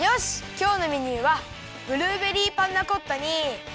きょうのメニューはブルーベリーパンナコッタにきまり！